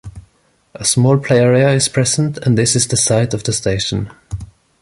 A small play area is present and this is the site of the station.